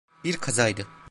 Bir kazaydı.